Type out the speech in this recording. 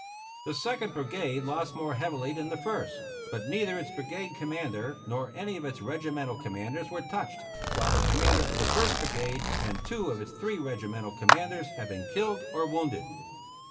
The Second Brigade lost more heavily than the First; but neither its brigade commander nor any of its regimental commanders were touched, while the commander of the First Brigade and two of its three regimental commanders had been killed or wounded.